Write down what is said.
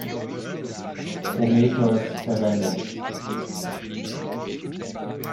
Prometheus verwendet.